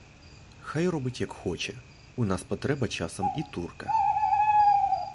Хай робить як хоче; у нас потреба часом і турка.